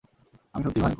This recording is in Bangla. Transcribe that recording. আমি সত্যিই ভয়ংকর।